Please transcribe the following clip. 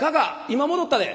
今戻ったで」。